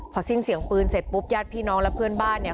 พอสิ้นเสียงปืนเสร็จปุ๊บญาติพี่น้องและเพื่อนบ้านเนี่ย